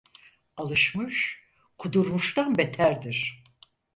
Alışmış, kudurmuştan beterdir!